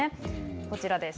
こちらです。